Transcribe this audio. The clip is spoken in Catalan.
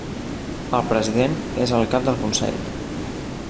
El president és el cap del consell.